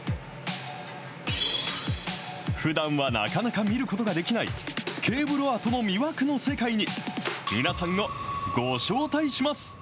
ふだんはなかなか見ることができない、ケーブルアートの魅惑の世界に、皆さんをご招待します。